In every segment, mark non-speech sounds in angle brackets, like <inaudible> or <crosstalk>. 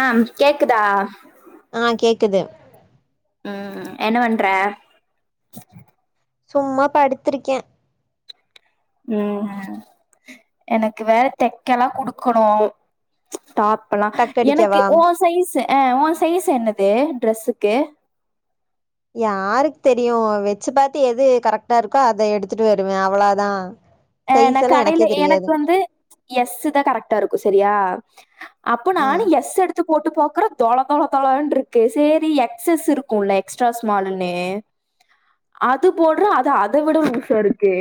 ஆ ம் கேக்குதா ஆ கேக்குது ம் ம் என்ன பண்ற சும்மா படுத்துருக்கே ம் அ எனக்கு வேற தெக்கெல்லா குடுக்கணு டாப்பலா எனக்கு டக்கடிக்கவா ஓ சைஸ் ஆ ஓ சைஸ் என்னது ட்ரெஸ்ஸுக்கு யாருக்கு தெரியு வெச்சு பாத்து எது கரெக்ட்டா இருக்கோ அத எடுத்துட்டு வருவே அவ்ளோ தா அ ந கடேயில எனக்கு வந்து எஸ் தா கரெக்டா இருக்கு செரியா அப்ப நானு ம் எஸ் எடுத் எத்து போட்டு பாக்குறே தொள தொள தொளன்ட்ருக்கு சேரி எக்ஸஸ் இருக்குல்ல எக்ஸ்ட்ரா ஸ்மால்லுனு அது போட்றே அது அத விட லூசாருக்கு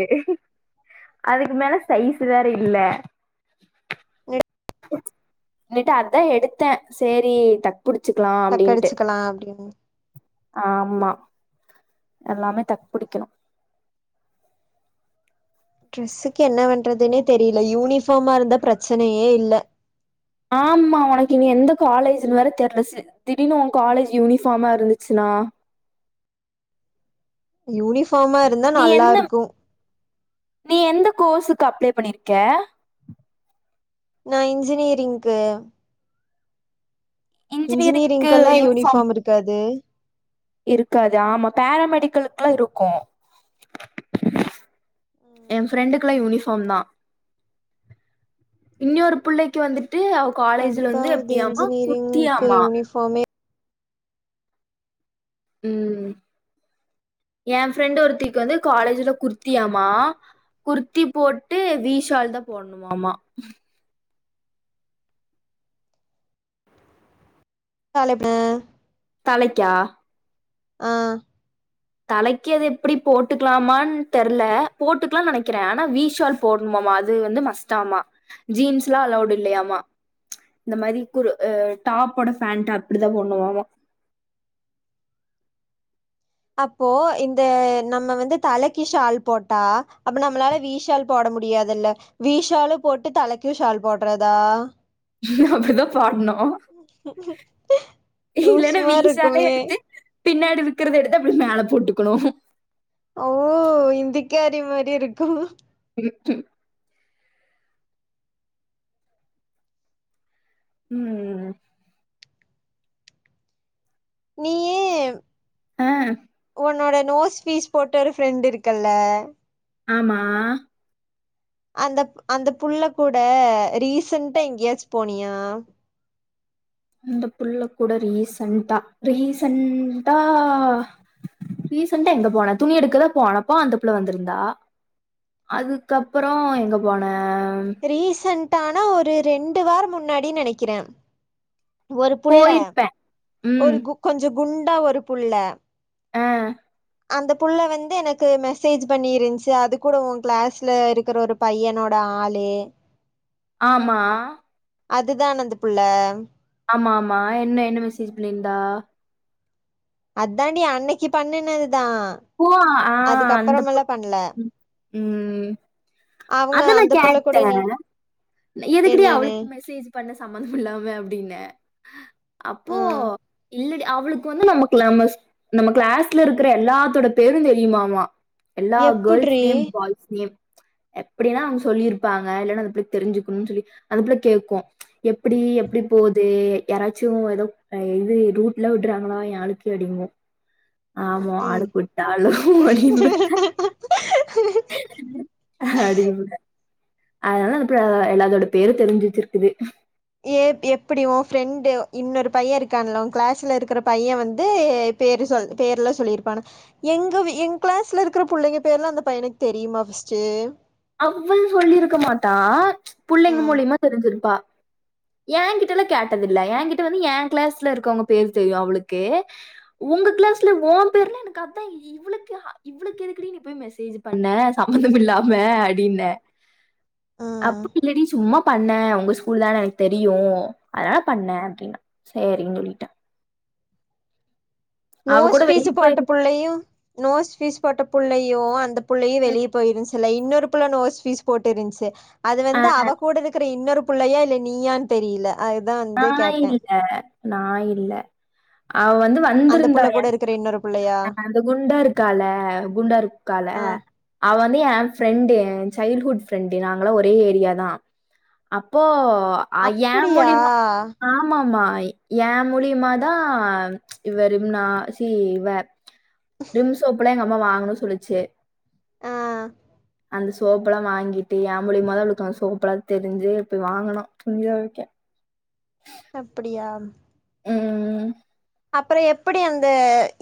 அதுக்கு மேல சைஸ் வேற இல்ல நெடு இல்லாட்டு அதா எடுத்தே செரி தக் புடிச்சுக்கலா அப்டின்ட்டு கலா அப்டின்னு ஆமா எல்லாமே தக் புடிக்குணு ட்ரெஸ்ஸுக்கு என்ன பண்றதுனே தெரியில யூனிஃபார்மா இருந்தா ப்ரச்சனையே இல்ல ஆமா ஒனக்கு நீ எந்த காலேஜ்ன்னு வேற தெர்லசு திடீர்னு ஓ காலேஜ் யூனிஃபார்மா இருந்துச்சுன்னா யூனிஃபார்மா இருந்தா நீ நல்லா எந்த இருக்கு நீ எந்த கோர்ஸுக்கு அப்ளே பண்ணியிருக்க நா இன்ஜினியரிங்க்கு இன்ஜினியரிங்கெல்லா யூனிஃபார்ம் இருக்காது இருக்காது ஆமா பேரா மெடிக்கலுக்குல்லா இருக்கு ஏ ஃப்ரெண்ட்டுக்கெல்லா யூனிஃபார்ம் தா இன்னொரு புள்ளைக்கு வந்துட்டு அவ காலேஜ்ல வந்து எப்டியாமா குர்த்தியாமா போமே ம் ஏ ஃப்ரெண்ட் ஒருத்திக்கு வந்து காலேஜ்ல குர்த்தியாமா குர்த்தி போட்டு வீ ஷால் தா போட்ணுமாம்மா தலைப்ப தலைக்கா ஆ தலைக்கி அது எப்புடி போட்டுக்கலாமான்னு தெர்ல போட்டுக்கலான் நெனைக்கிறே ஆனா வீ ஷால் போட்ணுமாம்மா அது வந்து மஸ்ட்டாம்மா ஜீன்ஸ்லா அலவ்டு இல்லையாமா இந்த மாரி குர் டாப்போட பேண்ட்டு அப்புடிதா போட்ணுமாம்மா அப்போ இந்த நம்ம வந்து தலைக்கி ஷால் போட்டா அப்ப நம்மளால வீ ஷால் போட முடியாதுல்ல வீ ஷாலும் போட்டு தலைக்கு ஷால் போட்றதா அப்டிதா பாட்னோ லூஸ் இல்லன்னா வி மார் ஷாலே இர்க்குமே எடுத்து பின்னாடி இருக்குறத எடுத்து அப்டி மேல போட்டுக்கணு ஓ இந்திக்காரி மாரி இருக்கா <unintelligible> உம் நீயேம் அ உன்னோட நோஸ் பீஸ் போட்ட ஒரு ஃப்ரெண்டு இருக்கு அல்ல ஆமா அந்தப் அந்த புள்ள கூட ரீசெண்டா எங்கயாச்சி போனியா அந்த புள்ள கூட ரீசெண்டா ரீசெண்டா ரீசெண்டா எங்க போன துணி எடுக்க தா போனப்போ அந்த புள்ள வந்திருந்தா அதுக்கப்றோ எங்க போன ரீசண்ட்டான ஒரு ரெண்டு வாரம் முன்னாடினு நெனைக்கிற ஒரு புள்ள போயிருப்பே ம் ஒரு கு கொஞ்சோ குண்டா ஒரு புள்ள அ அந்த புள்ள வந்து எனக்கு மெசேஜ் பண்ணிருந்துச்சி அது கூட உன் கிளாஸ்ல இருக்கிற ஒரு பையனோட ஆளு ஆமா அதுதான் அந்த புள்ள ஆமா ஆமா என்ன என்ன மெசேஜ் பண்ணிருந்தா அதாண்டி அன்னைக்கு பண்ணுனதுதா புவா ஆ அந்த அதுக்கப்புறமெல்லா புட் பண்ல உம் ம் அவங்க அதா நா அந்த புள்ள கூட கேட்டே நீ எதுக்குடி என்னன்னு அவளுக்கு மெசேஜ் பண்ண சம்பந்தமில்லாம அப்டின ஆ அப்போ இல்லடி அவளுக்கு வந்து நம்ம நம்ம நம்ம கிளாஸ்ல இருக்கிற எல்லாத்தோட பேரும் தெரியுமாமா எல்லா கேள்ஸ் எப்புட்ரி நேம் பாய்ஸ் நேம் எப்படின்னா அவங்க சொல்லியிருப்பாங்க இல்லனா எப்டி அந்த பிள்ளக் தெரிஞ்சுக்குணுனு சொல்லி அந்த பிள்ள கேட்கோ எப்டி எப்டி போது யாராச்சு எதோ அ இது ரூட்ல உடுறாங்ளா எ ஆளுக்கு அப்டிங்கு ஆமா ஆளு ம் கூட்டாலு வடி இம்ப அ ஹ அடி இம்ப அதனால அந்த எல்லாதோட பேரு தெரிஞ்சி வச்சிருக்குது ஏ எப்டி உன் ஃப்ரெண்டு இன்னொரு பைய இருக்கான்ல உன் கிளாஸ்ல இருக்கிற பைய வந்து பேரு சொல் பேர்லா சொல்லிருப்பான எங்க வி எங்க கிளாஸ்ல இருக்கிற புள்ளைங்க பேர்லா அந்த பையனுக்கு தெரியுமா ஃபஸ்ட்டு அவ்வள் சொல்லிருக்க மாட்டா புள்ளைங்க ம் மூலியமா தெரிஞ்சிருப்பா ஏ கிட்டலா கேட்டதில்ல ஏகிட்ட வந்து ஏ கிளாஸ்ல இருக்கவுங்க பேர் தெரியு அவளுக்கு உங்க கிளாஸ்ல ஓ பேர்ல எனக்கு அதா இவளுக்கு இவளுக்கெதுக்கு டி நீ போய் மெசேஜ் பண்ண சம்மந்தமில்லாம அடின்ன ம் அப்டி இல்ல டி சும்மா பண்ண உங்க ஸ்கூல் தான எனக்கு தெரியு அதனால பண்ணே அப்டின்ன சேரின்னு சொல்லிட்ட அவ நோஸ் கூட பீஸ் வெளிய போட்ட போயிருந்தா புள்ளையு நோஸ் பீஸ் போட்ட புள்ளையு அந்த புள்ளையு வெளியே போயிருஞ் இதுல இன்னொரு புள்ள நோஸ் பீஸ் போட்டுருந்துச்சி அது அ வந்து அவ கூட இருக் கிற இன்னொரு புள்ளையா இல்ல நீயான்னு தெரியல அதுதா நா வந்து கேட்டே இல்ல நா இல்ல அவ வந்து வ அந்த புள்ள கூட இருக்குற இன்னொரு புள்ளையா ஆ அந்த குண்ட இருக்கால குண்டாருக்கால ஆ அவ வந்து a friend a childhood friend நாங்களா ஒரே ஏரியா தா அப்போ அ ஏ அப்படியா மூழியமா ஆமாமா ஏ மூலியமாதா இவரு முன்னா சி இவ விம் சோப்புலா எங்க அம்மா வாங்கணு சொல்லுச்சு ஆ அந்த சோப்பலா வாங்கிட்டு ஏ மூலியமாதா அவளுக்கு அந்த சோப்பலா தெரிஞ்சு போய் வாங்கனு துணி துவைக்க அப்பிடியா ம் அப்பற எப்டி அந்த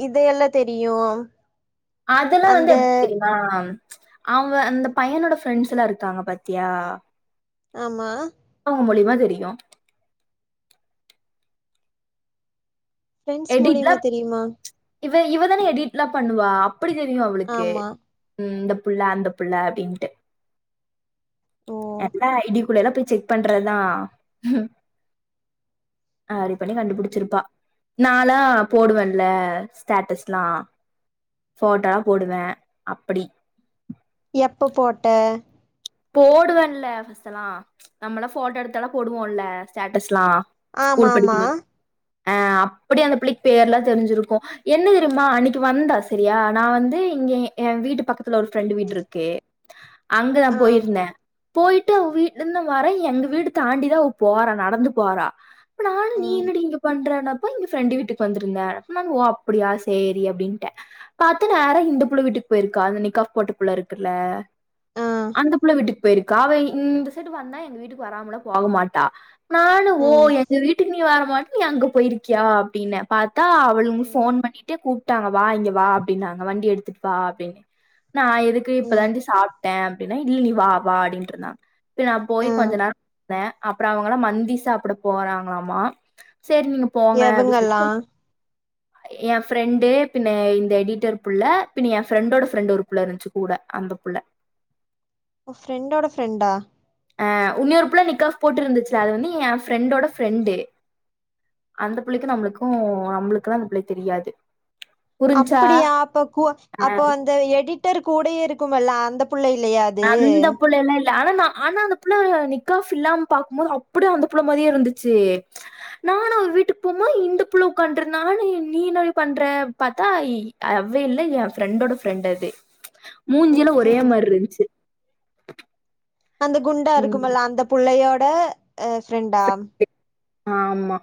இது எல்லா தெரியு அதெல்லா வந்து அந்த எப் தெரியு ஆ அவ அந்த பையனோட ஃப்ரெண்ட்ஸ் எல்லா இருக்காங்க பாத்தியா ஆமா அவங்க மூலியமா தெரியு ஃப்ரெண்ட்ஸ் மூலியமா எடிட்லாம் தெரியுமா இவ இவ தானே எடிட்லா பண்ணுவா அப்டி தெரியு அவளுக்கு ஆமா ம் இந்த புள்ள அந்த புள்ள அப்டின்ட்டு ஓ எப்ப ஐ டி க்குள்ளலா போய் செக் பண்றதுதா <unintelligible> பண்ணி கண்டுபுடிச்சிருப்பா நாளா போடுவேன்ல ஸ்டேட்டஸ்ல்லா ஃபோட்ட போடுவே அப்டி எப்ப போட்ட போடுவேன்ல ஃபர்ஸ்ட் எல்லா நம்மளா ஃபோட்டோ எடுத்தாலா போடுவோல ஸ்டேட்டஸ்லா ஆமா ஸ்கூல் ஆமா படிக்குபோது ஆ அப்டி அந்த பிள்ளைக்கு பேர்லா தெரிஞ்சிருக்கு என்ன தெரிமா அன்னைக்கு வந்தா செரியா நா வந்து இங்க ஏ வீட்டு பக்கத்துல ஒரு ஃப்ரெண்டு வீடு இருக்கு அங்கதா ஆ போய் போயிட்டு அவ வீட்லிருந்து வர எங்க வீடு தாண்டிதா அவ போற நடந்து போறா ப்ப நானு நீ ம் என்னடி இங்க பண்ற ந அப்ப எங்க ஃப்ரெண்டு வீட்டுக்கு வந்திருந்த அப்ப நானு ஓ அப்டியா சேரி அப்டின்ட்ட பாத்த நேர இந்த புள்ள வீட்டுக்கு போயிருக்கா அந்த நிக்காஃப் போட்ட புள்ள இருக்குல்ல ஆ அந்த புள்ள வீட்டுக்கு போயிருக்கா அவ இந்த சைடு வந்தா எங்க வீட்டுக்கு வராமல போக மாட்டா நானு ஓ ம் எங்க வீட்டுக்கு நீ வர மாட்ட அங்க போயிருக்கியா அப்டின்ன பாத்தா அவளுங்க ம் போன் பண்ணிட்டு கூப்பிட்டாங்க வா இங்க வா அப்படின்னாங்க வண்டி எடுத்துட்டு வா அப்டின்னு நா எதுக்கு ம் இப்பதாண்டி சாப்பிட்ட அப்டின்னா இல்ல நீ வா வா அப்டின் ருந்தாங்க நா போய் கொஞ்ச ம் நேர நா அப்பறம் அவங்கள மந்தி சாப்ட போறாங்களாமா செரி நீங்க போங்க அப்டி எவங்கல்லா சொல்ட்டு என் ஃப்ரெண்டு பின்ன இந்த எடிட்டர் புள்ள பின் என் ஃப்ரெண்டோட ஃப்ரெண்ட் ஒரு புள்ள இருந்துச்சு கூட அந்த புள்ள ஒ ப்ரெண்ட்டோட ப்ரெண்டா ஆ உன்னியோரு புள்ள நிக்காப் போட்டு இருந்துச்சுல அது வந்து என் ஃப்ரெண்டோட ஃப்ரெண்டு அந்த பிள்ளைக்கும் நம்மளுக்கும் நம்மளுக்குல்லா அந்த பிள்ளைய தெரியாது புரிஞ்சா அப்டியா அப்ப கு அப்ப அந்த எடிட்டர் கூடயே இருக்குமல்ல அந்த புள்ள இல்லையா அது அந்த புள்ள எல்லா இல்ல ஆனா நா ஆனா அந்த புள்ள நிக்காஃப் இல்லாம பாக்கும்போது அப்படியே அந்த புள்ள மாதிரியே இருந்துச்சு நானு அவரு வீட்டுக்கு போகு போது இந்த புள்ள உட்காந்திருந்தா நானு நீ என்னடி பண்ற அப்டி பாத்தா அவ இல்ல ஏ ஃப்ரெண்டோட ஃப்ரெண்ட் அது ம் மூஞ்சிலா ஒரே ம் மாரி இருந்துச்சு அந்த குண்டா ம் இருக்குமல்ல அந்த புள்ளையோட ஃப்ரெண்டா ஆமா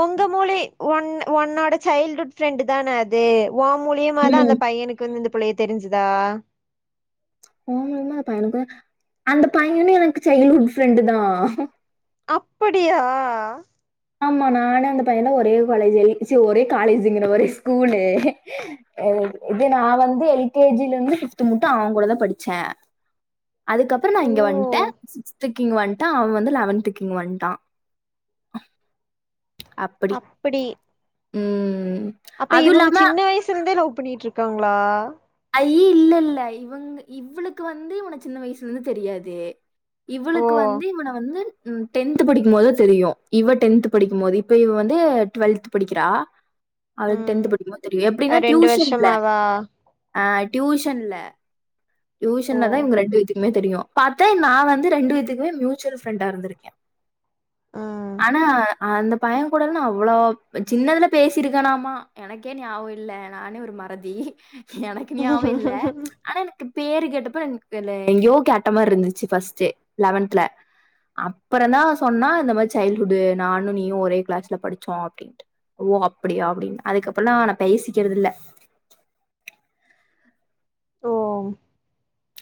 ஒங்க மூளி ஒன் ஒன்னோட சைல்டுட் ஃப்ரெண்ட் தான அது ஓ மூலியமாதா அந்த ம் பையனுக்கு வந்து இந்த புள்ளைய தெரிஞ்சதா ஓ முலுமா அந்த பையனுக்கு அந்த பையன்னு எனக்கு சைல்டுவுட் ஃப்ரெண்டு் தா அப்படியா ஆமா நானு அந்து பையல்லா ஒரே காலேஜ் எ ச்சி ஒரே காலேஜுங்கறே ஒரே ஸ்கூலு இது நா வந்து எல்கேஜில இருந்து ப்பிப்து மட்டும் அவ கூடதா படிச்சே அதுக்கப்பறோ நா ஓ இங்க வந்ட்டே சிக்ஸ்துக்கு இங்க வந்ட்டே அவன் வந்து லெவன்த்துக்கு இங்க வந்ட்டா அப் அப்படி ம் அப்ப அதுவு இவங்க இல்லாம சின்ன வயசுல இருந்தே லவ் பண்ணிட்டு இருக்காங்களா ஐயோ இல்ல இல்ல இவங்க இவளுக்கு வந்து இவன சின்ன வயசுலருந்து தெரியாது ஓ இவளுக்கு வந்து இவன வந்து ம் டென்த் படிக்கும் போதா தெரியும் இவ டென்த் படிக்கும்போது இப்ப இவ வந்து டுவெல்த் படிக்கிறா அவளுக்கு டென்த் படிக்குமோ தெரியும் எப்டின்னா டியூஷன்ல ஆ ஆ டியூஷன்ல ஓ டியூஷன்லதா இவங்க ரெண்டு பேத்துக்கு ம்மே தெரியும் பாத்தா நா வந்து ரெண்டு பேத்துக்குமே மியூச்சுவல் ப்ஃரெண்டா இருந்திருக்கே ஆ ஆனா அந்த பையே கூடல அவ்வளோ சின்னதுல பேசிருக்கனாமா எனக்கே ஞாபகம் இல்ல நானே ஒரு மறதி எனக்கு ஞாவம் இல்ல ஆனா எனக்கு பேரு கேட்டப்ப எனக்கு தெரியல எங்கயோ கேட்ட மாரி இருந்துச்சு ஃபஸ்டு லெவன்த்ல அப்றோ தா சொன்னா இந்த மாரி சைல்டுவுட் நானும் நீயு ஒரே கிளாஸ்ல படிச்சோ அப்டின்ட்டு ஓ அப்படியா அப்டின்னு அதுக்கப்றோல்லா ஆனா பேசிக்கிறதுல்ல ஓ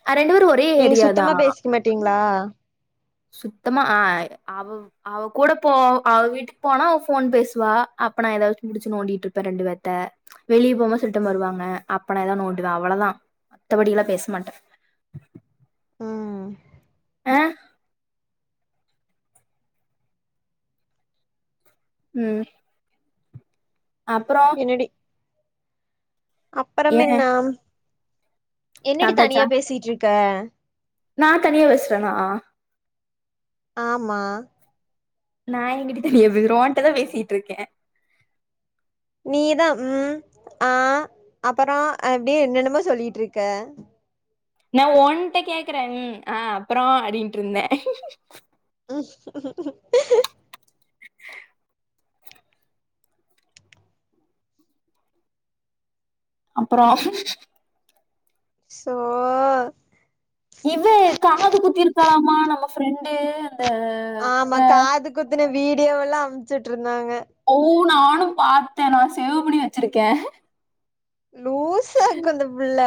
ஆ ரெண்டு பேரு ஒரே நீங்க ஏரியாதா சுத்தமா பேசிக்க மாட்டீங்களா சுத்தமா ஆ அவ அவ கூட போ அவ வீட்டுக்கு போனா அவ போன் பேசுவா அப்ப நா ஏதாச்சும் புடிச்சு நோண்டிட்டு இருப்பே ரெண்டு பேத்த வெளிய போனா சில டைம் வருவாங்க அப்ப நா ஏதாவது நோண்டுவே அவ்ளதா மத்தபடி எல்லா பேசமாட்டே ம் ஆ ம் அப்பறோ என்னடி அப்பறம் ஏ என்ன என்னடி சாப்ட்டாச்சா தனியா பேசிட்டு இருக்க நா தனியா பேசுறனா ஆமா நா எங்கடி தனியா பேசுறே ஊன்ட தா பேசிட்டு இருக்கே நீதா ம் ஆ அப்பறோ அப்டி என்னென்னமோ சொல்லிட்டு இருக்க நா ஓன்ட்ட கேக்குறே ம் ஆ அப்பறோ அப்டின்ட்டு இருந்தே உம் ஆஹ அப்பறோ சோ இது காது குத்திருக்காலாமா நம்ம ஃப்ரெண்டு அந்த ஆமா காது குத்தன வீடியோவெல்லா அம்ச்சுட்டு இருந்தாங்க ஓ நானும் பாத்த நா சேவ் பண்ணி வெச்சிருக்கே லூசு ஆக்குந்த புள்ள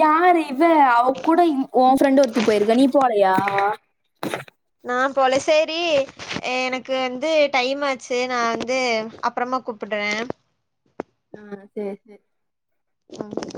யாரு இவ அவ கூட உ ஃப்ரெண்ட் ஒருத்தி போயிருக்க நீ போலையா நா போல சேரி எனக்கு வந்து டைம் ஆச்சு நா வந்து அப்புறமா கூப் பட்ற உம் செரி செரி உம்